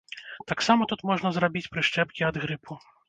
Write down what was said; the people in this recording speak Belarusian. Таксама тут можна зрабіць прышчэпкі ад грыпу.